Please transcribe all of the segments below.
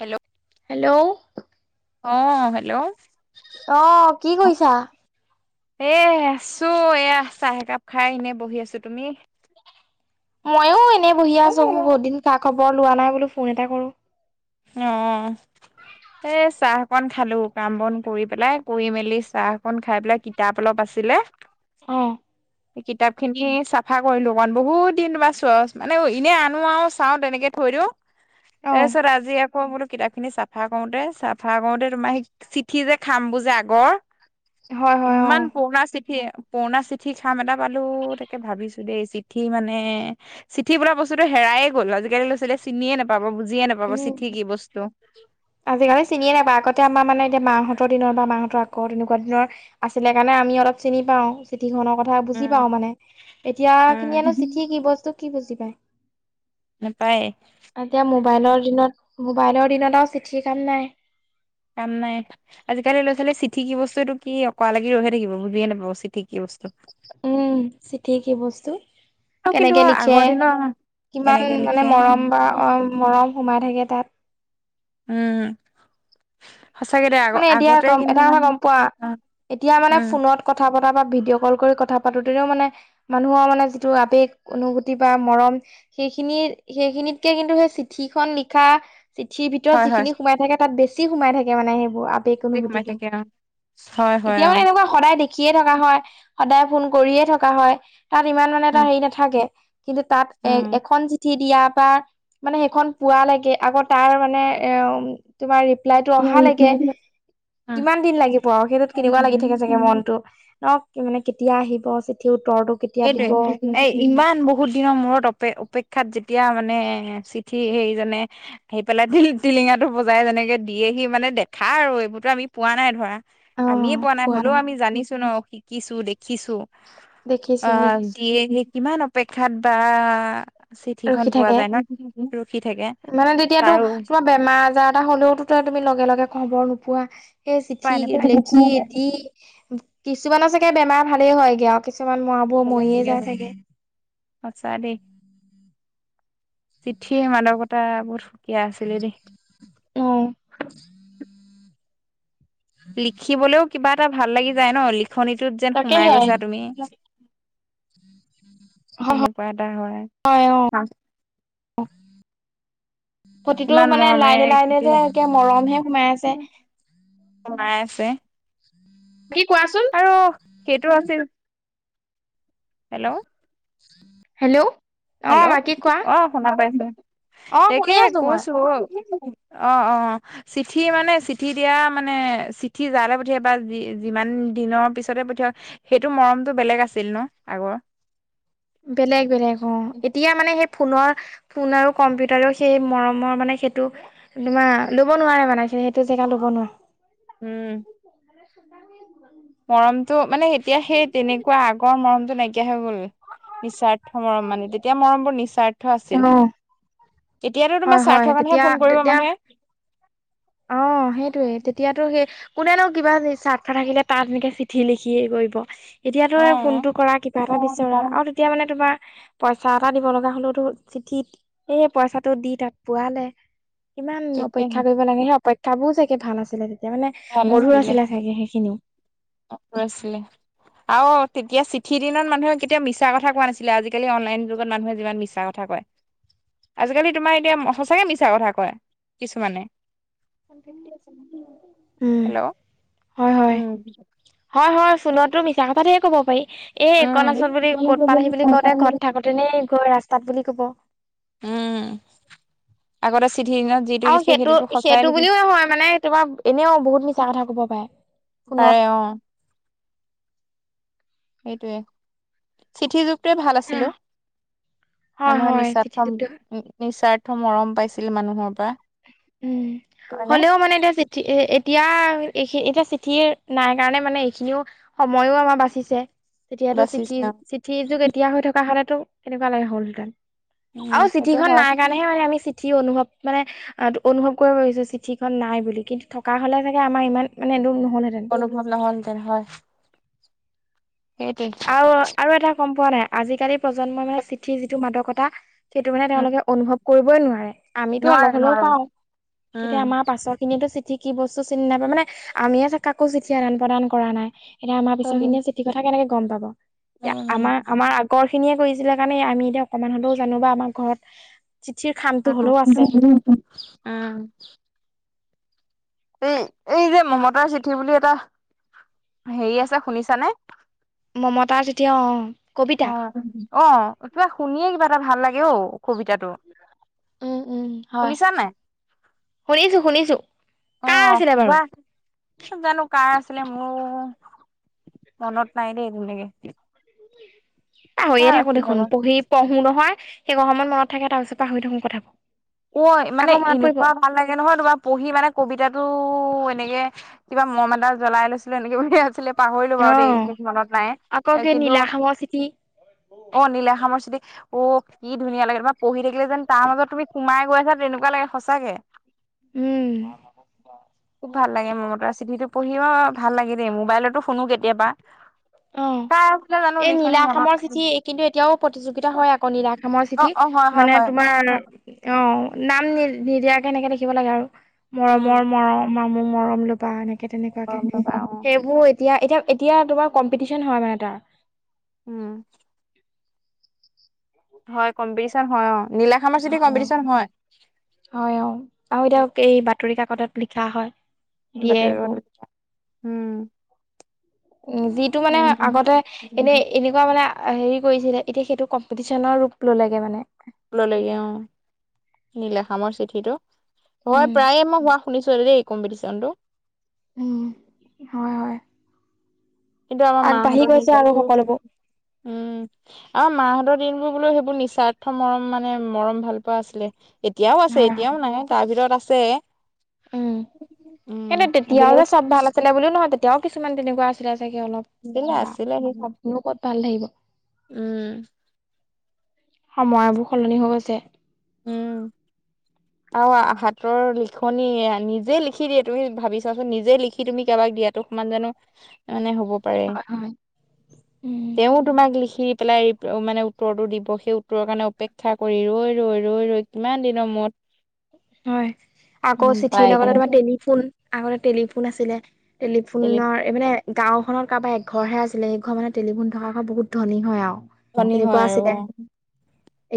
Hello? Hello? অ hello? অ, কি কৰিছা? এ আছো এয়া চাহ একাপ খাই এনেই বহি আছো, তুমি? মইয়ো এনেই বহি অ আছো, বহুত দিন খা খবৰ লোৱা নাই বোলো ফোন এটা কৰো। অ, অ। এ চাহ অকণ খালো কাম বন কৰি পেলাই, কৰি মেলি চাহ অকণ খাই পেলাই কিতাপ অলপ আছিলে। অ'। কিতাপ খিনি চাফা কৰিলো, অকমান বহুত দিন পৰা চ মানে এনে আনো আৰু চাওঁ তেনেকে থৈ দিও। অ তাৰ পাছত আজি আকৌ বোলো, কিতাপ খিন চফা কৰোতে চাফা কৰোতে তোমাৰ চিঠিৰ যে খামবোৰ যে আগৰ, হয় হয় অ ইমান পুৰণা চিঠি পুৰণা চিঠিৰ খাম এটা পালো তাকে ভাবিছো দেই চিঠি মানে? চিঠি বোলা বস্তুটো হেৰাই এ গ'ল, আজিকালি ল'ৰা ছোৱালীয়ে বিলাকে চিনিয়ে নাপাব বুজিয়ে নাপাব উম চিঠি কি বস্তু? আজিকালি চিনিয়ে নাপাই। আগতে আমাৰ, মানে এতিয়া মাহঁতৰ দিনৰ বা মাহঁতৰ আগৰ তেনেকুৱা দিনৰ আছিলে কাৰণে আমি অলপ চিনি পাও চিঠি খনৰ কথা বুজি উম পাও মানে। এতিয়াৰ উম খিনিয়েনো চিঠি কি বস্তু কি বুজি পাই। নেপায়। এতিয়া মোবাইলৰ দিনত, মোবাইলৰ দিনত আৰু চিঠিৰ কাম নাই। কাম নাই। আজিকালি ল'ৰা-ছোৱালীয়ে চিঠি কি বস্তুটো কি অকৰা লাগি ৰৈয়ে থাকিব বুজিয়ে নাপাব চিঠিক কি বস্তু। উম, চিঠি কি বস্তু আৰু কিন্তু কেনেকে লিখে, আগৰ দিনৰ কিমান কেনেকে মানে লিখে মৰম বা মৰম সোমাই থাকে তাত। উম। সঁচাকে দে আগ মানে এতিয়া আগতে গম কিন্তু এটা কথা মানে গম পোৱা? অ এতিয়া মানে উম ফোনত কথা পতা বা ভিডিঅ' কল কৰি কথা পাতোতেও মানে মানুহৰ মানে যিটো আৱেগ, অনুভূতি বা মৰম সেইখিনি, সেইখিনিতকে কিন্তু সেই চিঠি খন লিখা চিঠিৰ ভিতৰত হয় হয় যিখিনি সোমাই থাকে তাত বেছি সোমাই থাকে মানেহেইবোৰ আৱেগ, সোমাই অনুভূতিবোৰ। থাকে অ হয় হয় এতিয়াও অ এনেকুৱা সদায় দেখিয়ে থকা হয়, সদায় ফোন কৰিয়ে থকা হয়, তাত ইমান মানে এটা উম হেৰি নাথাকে। কিন্তু তাত এ এখন চিঠিত দিয়াৰ পা মানে সেইখন পোৱালৈকে আকৌ তাৰ মানে এ উম তোমাৰ ৰিপ্লাইতটো অহালৈকে উম উম। কিমান দিন লাগিব আৰু সেইটোত কেনেকুৱা লাগি থাকে চাগে মনতো ন'! কি মানে কেতিয়া আহিব চিঠি উত্তৰটো কেতিয়া দিব অহ সেইটোৱে এই ইমান বহুত দিনৰ মূৰত অপে-অপেক্ষাত যেতিয়া মানে চিঠি হেৰি জানে আহি পেলাই টিলিঙা টো বজাই যেনেকে দিয়ে হি মানে, দেখা আৰু এইবোৰতো আমি পোৱা নাই ধৰা। আমিয়ে পোৱা নাই হ'লেও আমি জানিছো ন' শিকিছো, দেখিছো। দেখিছো অ', দেখিছো দিয়ে সেই কিমান অপেক্ষাত বা। চিঠি খন ৰখি পোৱা থাকে যায় ন' ৰখি থাকে, তাৰো বেমাৰ-আজাৰ এটা হ'লেওতো তো তুমি লগে লগে খবৰ নোপোৱা। সেই পাই চিঠি নাপায় লেখি দি কিছুমানৰ চাগে বেমাৰ ভালেই হয়গে আৰু কিছুমান মৰা [unintelligible] সঁচা দেই, চিঠিৰ মাদকতা বহুত সুকীয়া আছিলে দেই। অ'। লিখিবলৈও কিবা এটা ভাল লাগি যায় ন', লিখনিটোত যেন সোমাই তাকেহে গৈছা তুমি। তেনেকুৱা এটা হয় অ'। প্ৰতিটো ইমান মানে মৰমেৰে লাইনে লাইনে যে একে মৰমহে সোমাই আছে। সোমাই আছে। বাকী কোৱাচোন। আৰু সেইটো আছিল। হেল্ল'? হেল্ল'? অ হেল্ল' বাকী কোৱা অ', শুনা পাইছো। অ তাকে শুনি আছো মই কৈছো অ', অ', অ'। চিঠি মানে চিঠি দিয়া মানে চিঠি যালে পঠিয়াই বা যিমান দিনৰ পিছতে পঠিয়ায়। সেইটো মৰমটো বেলেগ আছিল ন' আগৰ। বেলেগ বেলেগ অ', এতিয়া মানে সেই ফোনৰ, ফোন আৰু কম্পিউটাৰেও সেই মৰমৰ মানে সেইটো তোমাৰ ল'ব নোৱাৰে মানে সেইটো জেগা ল'ব নোৱাৰে। উম। [unintelligible] মৰমটো মানে এতিয়া সেই তেনেকুৱা আগৰ মৰমটো নাইকিয়া হৈ গ'ল। নিস্বাৰ্থ মৰম মানে, তেতিয়া মৰমবোৰ নিস্বাৰ্থ আছিল। অ এতিয়াটো হয় তোমাৰ হয় স্বাৰ্থৰ কাৰণেহে তেতিয়া ফোন কৰিব তেতিয়া মানুহে? অ', সেইটোৱে, তেতিয়াতো সেই কোনেনো কিবা স্বাৰ্থ থাকিলে তাত এনেকে চিঠি লিখিয়ে কৰিব। এতিয়া তই অ'। ফোনটো কৰা কিবা এটা বিচৰা আৰু তেতিয়া মানে তোমাৰ পইচা এটা দিব লগা হ'লেওতো চিঠিত এই পইচাটো দি তাত পোৱালে। কিমান তাকেহে অপেক্ষা কৰিব লাগে, সেই অপেক্ষাবোৰো চাগে ভাল আছিলে তেতিয়া, মানে ভাল মধুৰ আছিলে চাগে সেইখিনিও। মধুৰ আছিলে। আৰু তেতিয়া চিঠিৰ দিনত মানুহে কেতিয়াও মিছা কথা কোৱা নাছিলে। আজিকালি অনলাইন যুগত মানুহে যিমান মিছা কথা কথা কয়। আজিকালি তোমাৰ এতিয়া সঁচাকে মিছা কথা কয় কিছুমানে। [unintelligible] হেল্ল' হয় হয়। উম। হয়, হয়, ফোনটো মিছা কথা ধেৰ ক'ব পাৰি। এই উম এইকনত আছোঁ বুলি ক'ত পালাহি বুলি কওঁতে ঘৰত থাকোঁতে নে গৈ ৰাস্তাত বুলি ক'ব। উম, আগতে চিঠিৰ দিনত যিটো আৰু লিখে সেইটো সেইটোতো সঁচাই সেইটো লিখি বুলিও নহয়, মানে তোমাৰ এনেও বহুত মিছা কথা ক'ব পাৰে ফোনত। পাৰে অ' সেইটোয়ে। চিঠি যুগটোৱে ভাল আছিল অ' হয় মানুহৰ হয় নিস্বাৰ্থ চিঠিটোতো নিস্বাৰ্থ মৰম পাইছিল মানুহৰ পৰা। উম, কাৰণে হ'লেও মানে এতিয়া যেতিয়া এতিয়া এইখিনি এতিয়া চিঠি নাই কাৰণে মানে এইখিনিও সময়ো আমাৰ বাচিছে। এতিয়াতো চিঠি বাচিছে চিঠি যুগ এতিয়া হৈ থকা হ'লেতো কেনেকুৱা লাগে হ'ল হেঁতেন? উম আৰু সেইটো চিঠিখন হয় নাই কাৰণেহে মানে আমি চিঠি অনুভৱ মানে অ' অনুভৱ কৰিব পাৰছোঁ। চিঠি খন নাই বুলি, কিন্তু থকা হ'লে চাগে আমাৰ ইমান মানে দুখ নহ'লহেঁতেন। অনুভব নহ'ল হেঁতেন হয়। সেইটোৱে আৰু আৰু এটা গ'ম পোৱা নাই, আজিকালি প্ৰজন্মই মানে চিঠি যিটো মাদকতা সেইটো মানে উম তেওঁলোকে অনুভৱ কৰিবই নোৱাৰে। আমিতো অলপ নোৱাৰে হ'লেও নোৱাৰে পাওঁ। এতিয়া উম আমাৰ পাছৰ খিনিয়েটো চিঠি কি বস্তু চিনি নাপায়, মানে আমিয়ে কাকো চিঠি আদান প্ৰদান কৰা নাই। এতিয়া আমাৰ পিছৰ খিনিয়ে চিঠি কথা কেনেকে গ'ম পাবোঁ। এতিয়া উম আমাৰ আমাৰ আগৰ খিনিয়ে কৰিছিলে কাৰণে আমি এতিয়া অকণমান হ'লেও বা আমাৰ ঘৰত চিঠিৰ খাম অ'। এই এই যে মমতাৰ চিঠি বুলি এটা হেৰি আছে শুনিছানে? মমতাৰ চিঠি অ' অ'। কবিতা অ' কিবা শুনিয়েই কিবা এটা ভাল লাগে ঔ কবিতাটো। উম উম হয় শুনিছানে নাই? শুনিছো শুনিছো কাৰ অহ' আছিলে বাৰু কিবা কি জানোঁ কাৰ আছিলে। মোৰো মনত নাই দেই তেনেকে? পাহৰিয়ে কাৰ থাকোঁ আছিলে দেখোন, বা পঢ়ি পঢ়ো নহয়, সেইকন সময় মনত থাকে। তাৰ পিছত পাহৰি থাকোঁ কথাবোৰ। ঐ মানে আকৌ মনত পৰিব এনেকুৱা অ ভাল লাগে নহয়। তোমাৰ পঢ়ি মানে কবিতাটো এনেকে কিবা ম'ম এডাল জ্বলাই লৈছিলোঁ এনেকে কিবা আছিলে। পাহৰিলোঁ বাৰু দেই, বিশেষ মনত আকৌ নাই কি কিন্তু। নীলাখামৰ চিঠি অ' নীলখামৰ চিঠি। অ' কি ধুনীয়া লাগে তোমাৰ পঢ়ি থাকিলে যেন তাৰ মাজত তুমি সোমাই গৈ আছা, তেনেকুৱা লাগে সঁচাকে। উম খুব ভাল লাগে মমতাৰ চিঠিটো পঢ়িও ভাল লাগে দেই মোবাইলটো শুনো কেতিয়াবা অ' কাৰ আছিলে জানো এই লিখনি মনত নীলাখামৰ চিঠি, কিন্তু এতিয়াও প্ৰতিযোগিতা হয় আকৌ নীলা খামৰ অ চিঠি অ হয় হয় মানে হয় তোমাৰ অ' নাম নি নিদিয়াকে এনেকে লিখিব লাগে আৰু অ মৰমৰ, মৰম মোৰ মৰম ল'বা এনেকে তেনেকুৱাকে, সেইবোৰ এতিয়া এতিয়া এতিয়া তোমাৰ কম্পিটিচন হয় মানে এটা। উম। হয়, কম্পিটিচন হয় অ' নীলাখামৰ চিটি হয়, অ' কম্পিটিচন হয় হয় অ' আৰু এতিয়া এই বাতৰি কাকতত লিখা হয়। দিয়ে বাতৰি এইবোৰ কাকত উম, উম, যি টোৰ মানে উম। আগতে, এনেই এনেকুৱা। এনেকুৱা মানে হেৰি কৰিছিলে এতিয়া সেইটো কম্পিটিচনৰ ৰূপ ললেগে মানে ললেগে অ', নীলাখামৰ চিঠিটো। হয়', উম প্ৰায়ে মই হোৱা শুনিছোঁ দেই এই কম্পিটিছন টো উম' হয়', হয়। কিন্তু আমাৰ মা আগবাঢ়ি হঁতৰ কি গৈছে আৰু কবি সকলোবোৰ উম' আমাৰ মা হঁতৰ দিনবোৰ বোলো সেইবোৰ নিস্বাৰ্থ মৰম মানে মৰম ভাল পোৱা আছিলে। এতিয়াও আছে হয় হয় এতিয়াও নাহে তাৰ ভিতৰত আছে। উম', উম কিন্তু তেতিয়াও হলেও যে চব ভাল আছিল লে বুলিও নহয় তেতিয়াও কিছুমান তেনেকুৱা আছিলে চাগে অলপ, বেয়া, আছিলে আছিলে সেই চবনো ক'ত ভাল থাকিব। উম সময়বোৰ সলনি হৈ গৈছে। উম' [inaudible] আৰু আ, হাতৰ লিখনি এইয়া নিজে লিখি দিয়ে। তুমি ভাবি চোৱাচোন নিজে লিখি তুমি কাৰোবাক দিয়াটো সমান জানো [inaudible] মানে হ'ব পাৰে। হয় উম তেওঁ তোমাক লিখি পেলাই মানে উত্তৰটো দিব। সেই উত্তৰৰ কাৰণে অপেক্ষা কৰি ৰৈ ৰৈ ৰৈ ৰৈ, কিমান দিনৰ মূৰত হয়', আকৌ উম চিঠিৰ পায়গে। লগতে তোমাৰ টেলিফোন আগতে টেলিফোন আছিলে টেলিফোনৰ এইপিনে গাঁওখনত কাৰোবাৰ এক ঘৰহে আছিলে। সেই ঘৰ মানুহে টেলিফোন থকা ঘৰ বহুত ধনী হয় আও টেলিফনি তেনেকুৱা হয় আৰু আছিলে।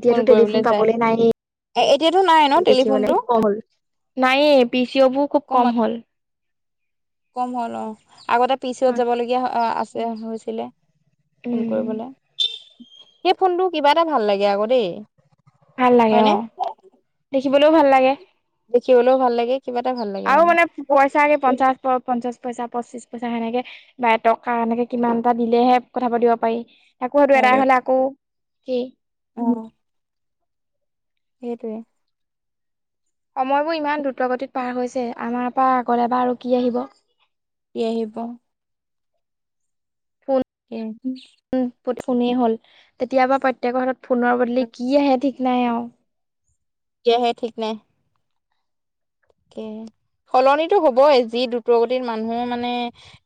এতিয়াটো টেলিফোন পাবলে নাইয়ে। এ, এতিয়াটো নাই। ন টেলিফোনটো দেখিবলেও কম হ'ল। নাইয়ে পি চি অ বোৰ খুব কম হ'ল। কম হ'ল অ' আগতে পি চি অত হয় যাবলগীয়া [unintelligible] আছে হৈছিলে। ফোন উম কৰিবলে। সেই ফোনটো কিবা এটা ভাল লাগে আকৌ দেই। ভাল লাগে হয়নে অ' দেখিবলৈও ভাল লাগে। দেখিবলেও ভাল লাগে কিবা এটা ভাল লাগে মানে কৰ পঞ্চাশ পইচা, পঁচিছ পইচা সেনেকে বাই এটকা এনেকে কিমান টা দিলেহে কথা পাতিব পাৰি। তাকৌ সেইটো এদায় আকৌ সেই উম সেইটোৱেই। সময়বোৰ ইমান দ্ৰুত গতিত পাৰ হৈছে, আমাৰ পৰা আগৰলে বা আৰু কি আহিব। কি আহিব, [unintelligible] উম ফোননে হ'ল তেতিয়াবা প্ৰত্যয়েকৰ হাতত ফোনৰ বদলি কি আহে ঠিক নাই আও কি আহে ঠিক নাই তাকে সলনিতো হবই যি দ্ৰুতগতিত মানুহ মানে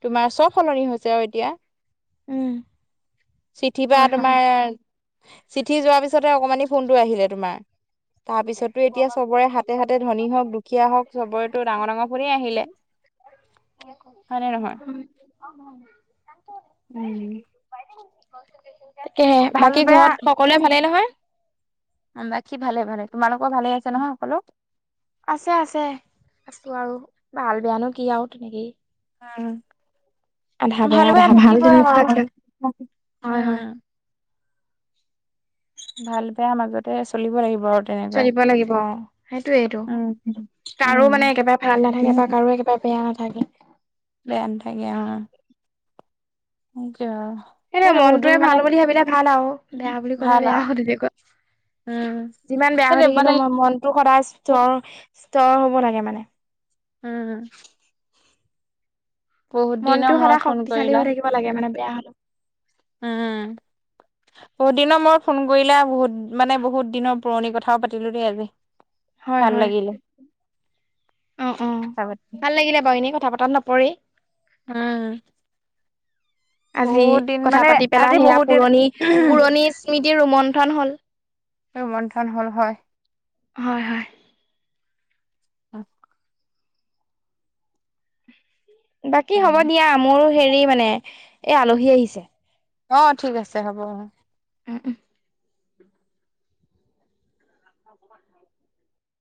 তোমাৰ চব সলনি হৈছে আৰু এতিয়া উম চিঠিৰ পৰা হয় হয় তোমাৰ চিঠি যোৱাৰ পিছতে অকমানি ফোনটো আহিলে তোমাৰ তাৰপিছত তো এতিয়া চবৰে হাতে হাতে ধনী হওক দুখীয়া হওক চবৰেত ডাঙৰ ডাঙৰ ফোনে আহিলে হয় নে নহয় [unintelligible] উম। তাকেহে, ভাল বাকী বেয়া ঘৰত সকলোৱে ভালেই নহয়? বাকী ভালে ভালে। তোমালোকৰ ভালে আছে নহয় সকলো? আছে আছে, আছোঁ আৰু ভাল বেয়ানো কি আৰু তেনেকেই। উম, ভাল বেয়া থাকিবই আৰু হয় হয় উম। ভাল বেয়া মাজতে চলিব লাগিব আৰু। তেনেকৈ চলিব লাগিব অ' সেইটোয়েইটো, উম উম কাৰো মানে একেবাৰে ভাল নাথাকে বা কাৰো একেবাৰে বেয়া নাথাকে। বেয়া নাথাকে অ'। সেইটোৱে আৰু। সেইটো বহুত মনটোৱে দিন মানে ভাল বুলি ভাবিলে ভাল আৰু, বেয়া বুলি ক'লে ভাল বেয়া আৰু হ তেনেকুৱা। উম যিমান বেয়া হৈ সেইটো মানে থাকিলেও মনটো সদায় স্তৰ স্তৰ হ'ব লাগে মানে। উম। বহুত দিনৰ মনটো সদায় মূৰত ফোন শক্তিশালী কৰিলা হৈ থাকিব লাগে মানে বেয়া হ'লেও। উম বহুত দিনৰ মূৰত ফোন কৰিলা, বহুত মানে বহুত দিনৰ পুৰণি কথাও পাতিলো দেই আজি। [unintelligible] হয় ভাল হয়, লাগিলে অ', অ'। কথা পাতি ভাল লাগিলে বাৰু এনেই কথা পতাত নপৰেই। উম। আজি বহুত দিন কথা মানে পাতি পেলাই আজি সেয়া বহুত দিন পুৰণি পুৰণি স্মৃতিৰ ৰোমন্থন হ'ল। ৰুমন্থন হ'ল হয়। হয় হয়। [inaudible] বাকী হ'ব দিয়া মোৰো হেৰি মানে এই আলহী আহিছে। অ' ঠিক আছে হ'ব অ'। উম, উম।